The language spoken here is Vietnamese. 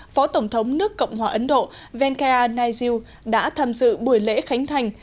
phó tổng thống nước cộng hòa ấn độ venkaya naiziu đã tham dự buổi lễ khánh thành